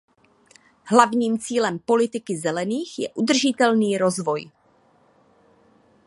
Hlavním cílem politiky zelených je udržitelný rozvoj.